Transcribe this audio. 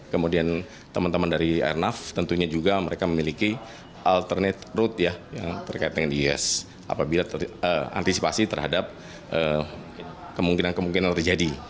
kemudian teman teman dari airnav tentunya juga mereka memiliki alternate road ya yang terkait dengan is apabila antisipasi terhadap kemungkinan kemungkinan terjadi